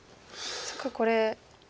そっかこれ。